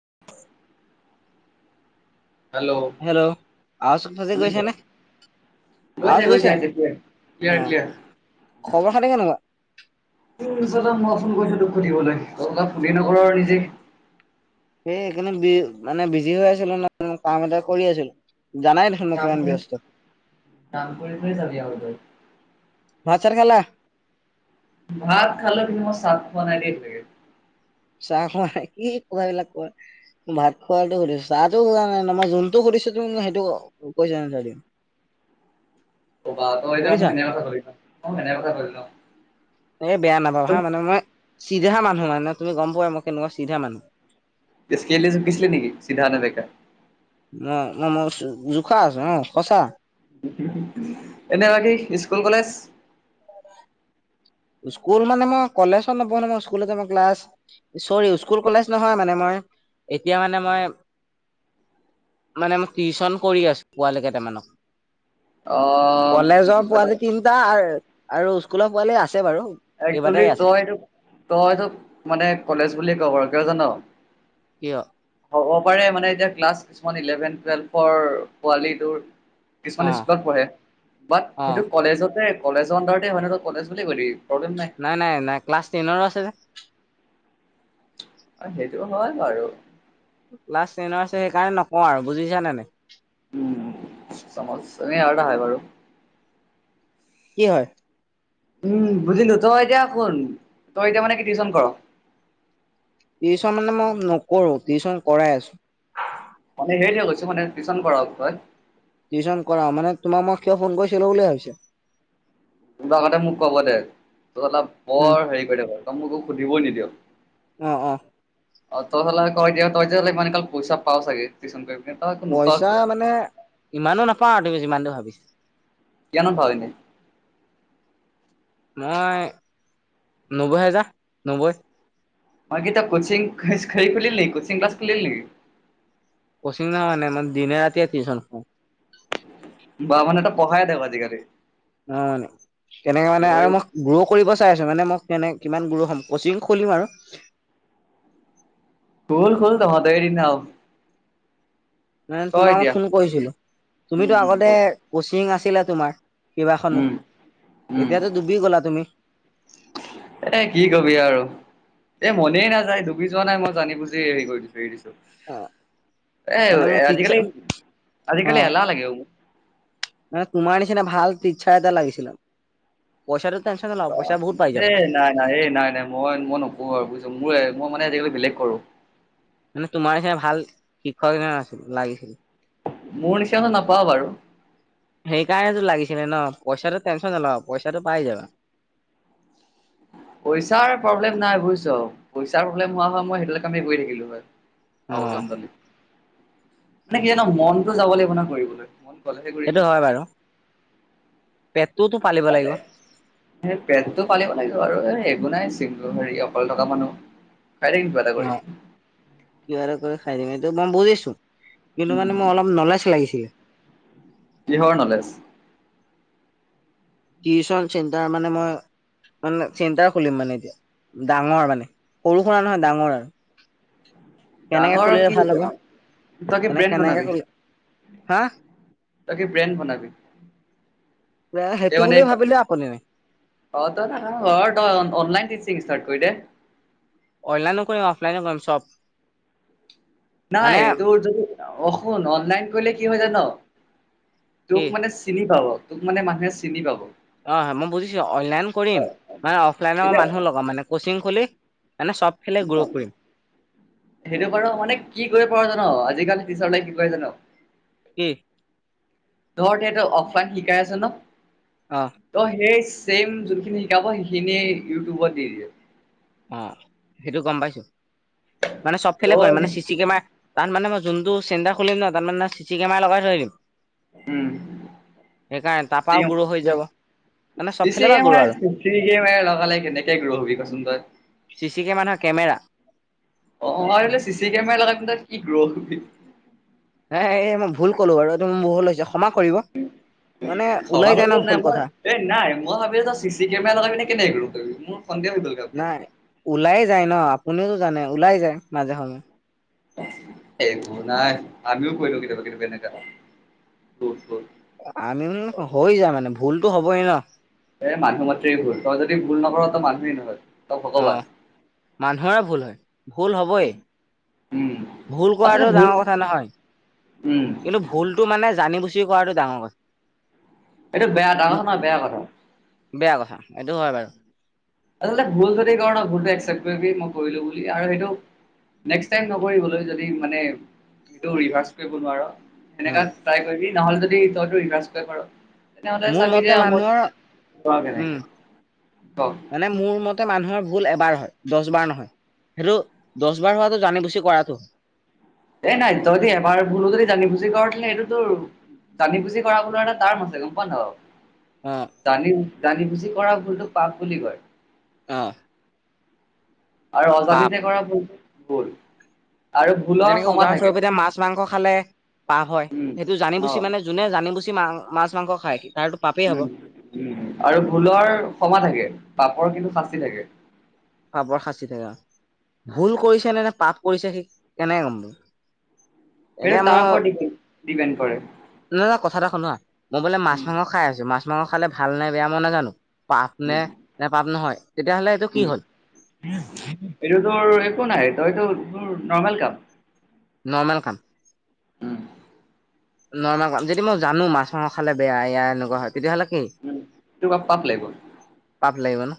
[inaudible] Hello, hello আৱাজ ফাঁচি গৈছে শুনিছে? নে [unintelligible] আৱাজ গচাই গৈ গৈছে চাইছে ক্লিয়াৰ অ - ক্লিয়াৰ। খবৰ খাতি কেনেকুৱা ত [unintelligible] ফোন কৈছো তোক সুধিবলৈ তই অলপ নকৰ আৰু নিজে সেইকাৰণি বি মানে বিজি হৈ আছিলো ন কাম এটা কৰি আছিলো। জানাই দেখোন ন মই কাম কিমান কৰি ব্যস্ত। কাম কৰি কৰি যাবি আৰু তই। ভাত চাত খালা? ভাত খালো কিন্তু মই চাহ খোৱা নাই দেই এতিয়ালৈকে। চাহ খোৱা নাই কি কথাবিলাক কোৱা ভাত খোৱাতটো সুধিছো চাহটো হোৱা নাই ন মই যোনতটো সুধিছো সেইটো কৈছা [unintelligible] [unintelligible] কব য ম শুনিছা কেনে কথা মই কেনে কথা কৰি লও। এই বেয়া নাপাও হা মানে মই চিধা মানুহ মানে তুমি গম পোৱাই মই কেনেকুৱা চিধা মানুহ। তে [unintelligible] কিছল নেকি চিধা নে বেকা? মই মই মই জোখা আছে অ, সচা। এনে বাকী স্কুল কলেজ? স্কুল মানে মই কলেজত নপঢ়ো ন, মই স্কুল মই ক্লাছ চৰি স্কুল কলেজ নহয় মানে মই এতিয়া মানে মই মানে মই টিউচন কৰি আছো পোৱালি কেইটামানক। অ কলেজৰ পোৱালি তিনটা আৰু স্কুলৰ পোৱালি আছে বাৰু একচেলি কেইবাটাই আছে তইটো তই এইটো মানে কলেজ বুলি ক ঘৰক জান এয় হ'ব পাৰে মানে এতিয়া ক্লাছ কিছুমান ইলেভেন টুৱেল্ভৰ পোৱালীটোৰ অ কিছুমান স্কুলত পঢ়ে ব অ সেইটো কলেজতে কলেজৰডাৰতে হয় ন কলেজ বুলি কলি নাই-নাই-নাই ক্লাছ টেনৰো আছে যে। অ' সেইটো নহয় বাৰু। ক্লাছ টেনৰ আছে সেইকাৰণে নকওঁ আৰু বুজিছা নে নাই। উম চামচ এনে আৰুটা হয় বাৰু। কি হয়। উম, বুজিলো তই এতিয়া শুন তই এতিয়া মানে কি কিওশন কৰ। টিউশন মানে মই নকৰো টিউশ্যন কৰাই আছো। মানে হেৰি কৈছো মানে টিচন কৰাক কৈ। টিউশন কৰা মানে তোমাক মই কিয় ফোন কৰিছিলো বুলিয় ভাবিছে। ত আগতে মোক কব দে ত উম বৰ হেৰি কৰি দ তই মোকো সুধিব নিদিয়ক। অঁ-অঁ, অ' ত যল ক ত মানে কাল পইছা পাউচাগে টিউচন কৰি। পিনে তই একো নোপাৱ পইচা কিয় মানে ইমানো নাপাওঁ আৰু তুমি যিমান দি ভাবিছা। কিমান মন পা এনেই। মই নব্বৈ হেজাৰ নব্বৈ। মি ত কচিং খ খুুলিল ন কচিং ক্লছ খুুলিল নেকি? কচিং ন হয় নাই মানে দিনে ৰাতিযে টিউচন কৰো। বা মানে এটা পঢ়াই দেক আজিকালি। অ মানে তেনেকে মানে ঐ আৰু মই গ্ৰ' কৰিব চাই আছো মানে মই। তেনে কিমান গৰু হম কচিং খুলিম আৰু। খোল-খোল তহতৰে দিন আৰু। মান ক তোমাৰ এতিয়া ফোন কৰিছিলো উম তুমিতো উম ক আগতে কচিং আছিলা তোমাৰ। কেইবাখনো উম উম এতিয়াতো ডুবি গলা তুমি। এ কি কবি আৰু এ মনেই নাযায় ডুবি যোৱা নাই মই জানি বুজি হেৰি কৰি দিছো হে দিছো। অ মানে মোৰ এ আজিকালি টিচাৰ অ আজিকালি এলাহ লাগে মোক। মানে তোমাৰ নিচিনা ভাল ইচ্ছা এটা লাগিছিল পইচাটো। টেনচন নলবা পইচা বহুত পাই এ যাবা নাই নাই এই নাই নাই মই মই নকো আৰু বুজছো মোৰ। মই মানে আজিকালি বেলেগ কৰো। মানে তোমাৰ চ ভাল শিক্ষক আছিল লাগিছিল। মোৰ নিচিনা নাপাওঁ বাৰু। সেইকাৰণেতো লাগিছিলে ন পইচাটো টেনচন নলা পইচাটো পাই যাবা। [inaudible] পইচাৰ প্ৰব্লেম নাই বুজিছ পইচাৰ প্ৰব্লেম হোৱা হয় মই সেইটোে কামে কৰি থাকিলো হয়। অ' মানে কি জান মনতো যাব লাগিব ন কৰিবলৈ মন। হলেহে সেইটো কৰিবি। হয় বাৰু। পেটটোতো পালিব লাগিব পেটটো পালিব লাগিব আৰু। আকো নাই চি হেৰি অকলে থকা মানুহ। খাই থাকিম কিবা এটা কৰি। অ' ক কিবা এটা কৰি খাই দিম এইটো মই বুজিছো। কিন্তু মানে মোৰ অলপ নলেজ লাগিছিলে। কিহৰ নলেজ। টিউচন চেণ্টাৰ মানে মই। মানে চেণ্টাৰ খুলিম মানে এতিয়া, ডাঙৰ মানে সৰু-সুৰা নহয় ডাঙৰ আৰু। কেনেকে ডাঙৰ খুলিলে কি ভাল হৈছে হ'ব আৰু, তাকে মানে ব্ৰেণ্ড কেনেকে বনাবি। খুলি হা তাকে ব্ৰেণ্ড বনাবি। তে সেইটো বুলি ভাবিলে আপুনি নাই। [unintelligible] অলাইন টিচিং ষ্টাৰত কৰি দে। অনলাইনো কৰিম, অফলাইনো কৰিম চব। মানে নাই তোৰ যদি অহ, শুন অনলাইন কৰিলে কি হয় জান। কি তোক মানে চিনি পাব। তোক মানে মানুহে চিনি পাব। অহ' হয় মই বুজিছো আৰু। অনলাইন কৰিম মানে অফলাইনৰ এতিয়া মানুহ লগা মানে কচিং খুলি মানে চব ফালে গ্ৰ' কৰিম সেইটো বাৰু মানে কি কৰিব পৰা যায় জান আজিকালি প্ৰিছাৰ নাই কি কয় জান কি? ধৰ তেহেটে অফলাইন শিকাই আছো ন। অ ত' সেই চেইম যোনখিনি শিকাব, সেইখিনিয়ে ইউটিউবত দি দিয়ে। অহ' সেইটো গম পাইছো। মানে চব ত ফেলে কৰিম মানে চি চি কেমেৰা। তাত মানে মই যোনটো চেণ্টাৰ খুলিম ন তাত মানে চি চি কেমেৰা লগাই থৈ দিম। উম'। [unintelligible] সেইকাৰণে চি তাৰপৰাও গ্ৰ' হৈ যাব মানে চব ফালৰ চি পৰা গ্ৰ' কেমেৰা। আৰু চি চি কেমেৰা লগালে কেনেকে গ্ৰ'হবি কেনেকে তই। চি চি কেমেৰা নহয়, কেমেৰা। অহ' মাৰলে চি চি কেমেৰা লগাই কিনে তাত কি গ্ৰ'হবি। হে এই মই ভুল কলো বাৰু, এইটো মোৰ ভুল হৈছে। থিব। ভবা লাগিল নাই মই, এই নাই মই ভাবিলো চি চি কেমেৰা লগাই পিনে কেনেকে গ্ৰ'হবি মোৰ সন্দেহ হৈ গ'ল ঘপকে। নাই ওলাই যায় ন, আপুনিওতো জানে ওলাই যায় মাজে সময়ে। একো নাই আমিও কৈ দিওঁ কেতিয়াবা কেতিয়াবা এনেকা [unintelligible] আমিও হৈ যায় মানে ভুলতো হ'বই ন। এ মানুহ মাত্ৰেই ভুল। তই যদি ভুল নকৰ তই মানুহেই নহয়। তই ভগৱান। অহ' মানুহৰ এই ভুল হয়, ভুল হ'বই। উম ভুল আচলতে কৰাটো ভুল ডাঙৰ কথা নহয়, উম কিন্তু ভুলটো মানে জানি বু কি কৰাৱাটো ডাঙৰ এইটো বেয়া ডাঙৰ কথা। কথা নহয় বেয়া কথা। উম' বেয়া কথা। এইটো হয় বাৰু। আচলতে ভুল যদি কৰ ন, ভুলটো একচেপ্ট কৰিবি। মই কৰিলো বুলি আৰু সেইটো নেক্স্ টাইম নকৰিবলৈ, যদি মানে এইটো ৰিভাচ্ কৰিব নোৱাৰ। অ সেনেকা তাই কৰিবি। নহ'লে যদি তইতো ৰিভাচ্ এই নকৰ। মোৰ মতে মানুহৰ উম, কেনেকে ক মানে মোৰ মতে মানুহৰ ভুল এবাৰ হয়, দহ বাৰ নহয়। সেইটো দশ বাৰ হোৱাটো জানি বুজি কৰাটো। এ নাই তহতি এবাৰ ভুলো যদি জানি বুজি কৰ দিলে সেইটোতোৰ জানি বুজি কৰা ভুলৰ এটা তাৰ্ম আছে, গম পাওঁ নাপাওঁ। অ', জানি, জানি বুজি কৰা ভুলটোক পাপ বুলি কয়। অহ'। আৰু অজানিতে কৰা ভু-ভুল। যেনেকে উজান চৰবতে মাছ-মাংস খালে পাপ হয়। উম সেইটো জানি বুজি অ মানে যোনে জানি বুজি মা-মাছ মাংস খায়। তাৰতো পাপেই হ'ব। উম' আৰু ভুলৰ ক্ষমা থাকে। পাপৰ কিন্তু শাস্তি থাকে। পাপৰ শাস্তি থাকে অহ। ভুল কৰিছে নে, নে পাপ কৰিছে সি কেনেকে গম। সেইটো তাৰ ওপৰত দিপেন, দিপেন। ন না কথা এটা শুনোৱা, মই বোলে উম, মাছ-মাংস খাই আছো। মাছ-মাংস খালে ভাল নাই বেয়া মই নাজানো। পাপ নে, উম, নে পাপ নহয় তেতিয়াহ'লে এইটো কি উম, হ'ল। এইটো তোৰ একো নাই তইতোৰ নৰ্মেল কাম। নৰৰ্মেল কাম। হ। নৰ্মেল কাম যদি মই জানো মাছ মাংস খালে বেয়া ইয়া এনেকুৱা হয় তেতিয়াহ'লে কি উম, তোক আৰু পাপ লাগিব। পাপ লাগিব ন।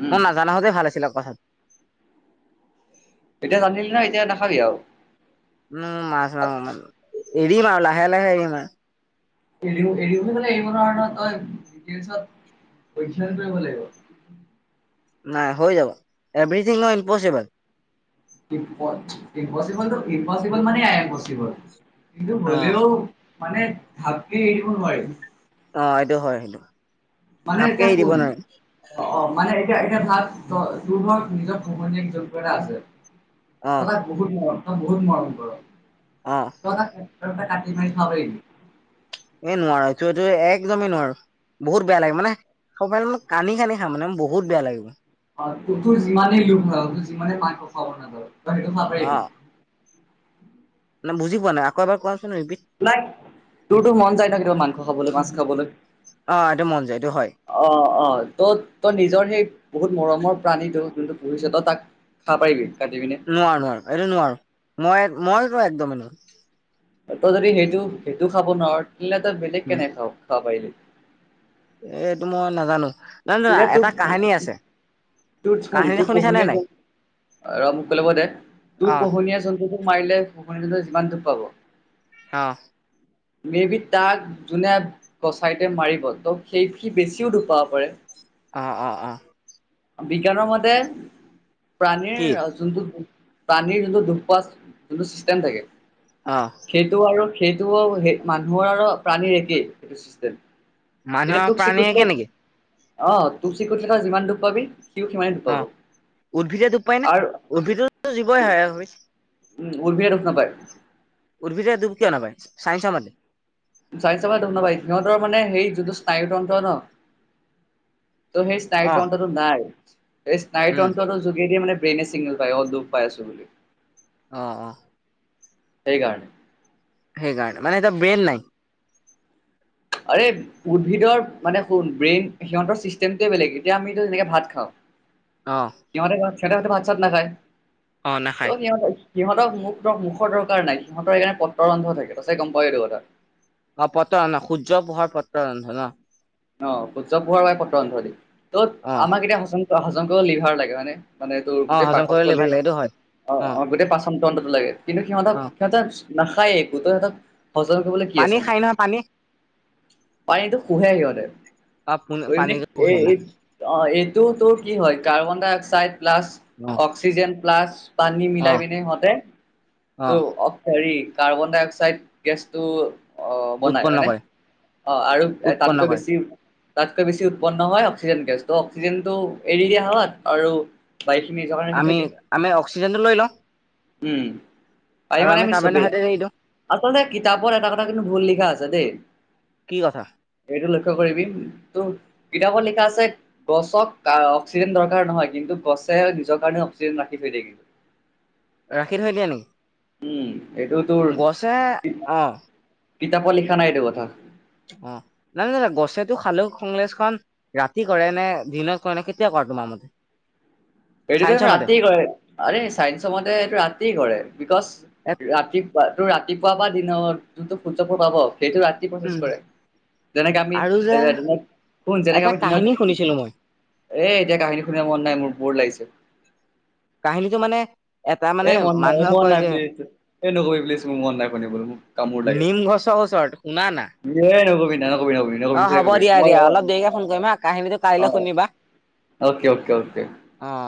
উম, মই নাজানা হতে ভাল আছিল আৰু এতিয়া জানিলি ন এতিয়া নাখাবি আৰু। উম মাছ মাছ এৰিম আৰু লাহে লাহে এৰিম আৰু। এৰি এৰিলে এৰিব নোৱাৰ নহয় তই। [inaudible] নাই হৈ যাব এভৰিথিং অ ইমপচিবল। ই ইম্পচিবল ইম্পচিবল মানে আ ইম্পচিবল। কিন্তু অ হ'লেও মানে ভালকে এৰিব নোৱাৰি। অ', এইটো হয়। মানে ঘাপকে এতিয়া এৰি শ দিব নোৱাৰি অ অ মানে এতিয়া মানে ভাব তই তোৰ ঘৰত নিজৰ পোহনীয়া জন্তু এটা আছে, অ মানে বহুত মৰম। ত বহুত মৰম কৰ, অ তই তাক কাটি মাৰি খাব পাৰিবি? এ নোৱাৰ এইটো এইটো একদমেই নোৱাৰো। বহুত বেয়া লাগে মানে সবে মানে কানি কানি খাই মানে বহুত বেয়া লাগিব। ত তোৰ যিমানেই লোভ থাকক তোৰ যিমানে মাংস খাব মন নাযাওক, তই সেইটো খাব অ পাৰিবি? বুজি পোৱা নাই আকৌ এবাৰ কোৱা। না তোৰতো মন যায় ন কেতিয়াবা মাংস খাবলৈ, মাছ খাবলৈ। অ এইটো মন যায় এইটো হয় অ অ ত তই নিজৰ সেই বহুত মৰমৰ প্ৰাণীটো যোনটো, ভৱিষ্যত তাক খাব পাৰিবি? কাটি পিনে। নোৱাৰো নোৱাৰো এইটো নোৱাৰো, মই মইতো একদম এ নো- তই যদি সেইটো সেইটো খাব নোৱাৰ তেনেলে তই বেলেগ কেনেকৈ খাব পাৰিবি? এই এইটো মই নাজানো নহ দাদা এটা কাহিনী আছে। তু ফোন কাহিনী তোৰ শুনিছানে পহনীয়া নাই? য ৰ মোক কৈ ল'ব দে তোৰ অ', পোহনীয়া জন্তুটোক মাৰিলে পোহনীয়া জন্তু যিমান দোষ পাব অ মে বি তাক যোনে গছাইতে মাৰিব ত' সেই সি বেছিও দুপ পাব পাৰে। অ অ অ বিজ্ঞানৰ মতে প্ৰাণীৰ কি যোনটো প্ৰানীৰ যোনটো দুখপোৱা যোনটো চিষ্টেম থাকে, অ', সেইটো আৰু সেইটো স মানুহৰ আৰু প্ৰাণীৰ একেই সেইটো চিষ্টেম এতিয়া মানুহৰ তোক প্ৰাণীয়ে চিকুটিলে কেনেকে অ তোৰ চিকুটিলে ত যিমান দুখ পাবি সিও সিমানেই দুখ অ পাব উদ্ভিদে দুপ পাই না আৰু উদ্ভিদো জীৱই হয় উম উদ্ভিদে দুখ নাপাই। উদ্ভিদে দুখ কিয় নাপায় চাইঞ্চৰ মতে চাইছ মা ধন্যবাদ সিহঁতৰ মানে হেই যোনটো স্নায়ুতন্ত্ৰ ন ত' সেই অ', স্নায়ুতন্ত্ৰটো নাই স্নায়ু উম, তন্ত্ৰটোৰ যোগেদিয়ে মানে ব্ৰেইনে চিগনেল পায় অ দুখ পায় আছো বুলি অ অ সেই কাৰণে সেইকাৰনে মানে এতিয়া ব্ৰেইন নাই। আৰে উদ্ভিদৰ মানে শুন ব্ৰেইন সিহঁতৰ চিষ্টেমটোয়ে বেলেগ এতিয়া আমি যেনেকে ভাত খাওঁ আহ সিহতে তো ভাত ছাত নাখায়, ত নাখায়। সিহতে সিহঁতক মুখৰ মুখৰ দৰকাৰ নাই, সিহঁতৰ এইকাৰণে পত্ৰ ৰন্ধ থাকে ত ছাগৈ গম পাৱয় এইটো কথা। অ পত্ৰৰন্ধ, সূৰ্য পোহৰ পত্ৰৰন্ধ ন। অ সূৰ্য পোহাৰ বাবে পত্ৰ অন্ধ দি ত অ', আমাক এতিয়া হজম হজম কৰিব লিভাৰ লাগে হয়নে মানে এইটোৰ অ', গোটেই হজম কৰি পাকস্থলী ভাল লাগে এইটো হয়। অ', অ'-অ' গোটেই পাচন দণ্ডটো লাগে কিন্তু সিহঁতক অ', সিহঁত নাখায় একো সিহঁতক সজল কৰিবলৈ কি পানী আছেনো। খাই নহয় পানী পানীটো শুহে সিহঁতে এই অ', পানীটো পোহে নাখায় অ', এইটোতো কি হয় কাৰ্বন ডাই অক্সাইড প্লাছ অ', অক্সিজেন প্লাছ পানী মিলাই অ', পিনে সিহঁতে ত' অ', হেৰি কাৰ্বন ডাই অক্সাইড গেছটো অ', বনাই উৎপন্ন হয়নেে কৰে অ', আৰু উৎপন্ন তাতকৈ কৰে। বেছি তাতকৈ বেছি উৎপন্ন হয় অক্সিজেন গেছটো অক্সিজেনটো এৰি দিয়া হ আৰু বাকিখিনি ৰাখি আমি থৈ দে। আমি অক্সিজেনটো লৈ লওঁ। উম পাই আৰু মানে আমি কাৰ্বন ডাই চবেই অক্সাইড এৰি দিওঁ আচলতে কিতাপৰ এটা কথা কিন্তু ভুল লিখা আছে দেই কি কথা এইটো লক্ষ্য কৰিবি, তোক কিতাপত লিখা আছে গছক অক্সিজেন দৰকাৰ নহয় কিন্তু গছে নিজৰ কাৰণে অক্সিজেন ৰাখি থৈ দিয়ে কিন্তু। উ। ৰাখি থৈ দিয়ে নি? এইটো তোৰ অ কিতাপত লিখা নাই এইটো কথা। অ', নাই না গছেতো সালোক সংলেশন ৰাতি কৰে নে দিনত কৰে নে কেতিয়া কৰে? ম মতে এইটোতো চাইন্সৰ মতে ৰাতি কৰে আৰে চাইন্ঞ্চৰ মতে এইটো ৰাতি কৰে বিকজ এ ৰাতিপুৱা তটো ৰাতিপুৱা বা দিনৰত যোনটো ফুল পোহৰ পাব সেইটো ৰাতি প্ৰচেছ উম কৰে। যেনেকে আমি আৰু যে এ দিন শন এটা যেনেকে আমি কাহিনী দিনত শুনিছিলো মই এ এতিয়া কাহিনী শুনিব মন নাই মোৰ ব'ৰ লাগিছে। কাহিনিটো মানে এটা মানে এই মন নাই মানুহে এই মন কয় নাই যে প্লিজ এই নকবি প্লিজ মোৰ মন নাই শুনিবলৈ মোক কামোৰ লাগে। চচৰত শুনা না। নকবি না নকবি নকবি অ নকবি চাৰে হ'ব কবি দিয়া মই দিয়া অ', অলপ দেৰিকে ফোন কৰিম অ', হা কাহিনীটো কাইলৈ অ'। শুনিবা অকে অকে অকে। অ